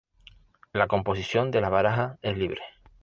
La composición de las barajas es libre.